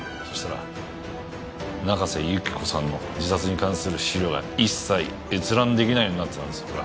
そしたら中瀬由紀子さんの自殺に関する資料は一切閲覧できないようになってたんです。